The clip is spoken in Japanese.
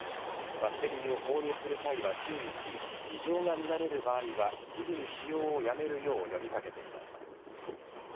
バッテリーを購入する際は注意し、異常が見られる場合はすぐに使用をやめるよう呼びかけています。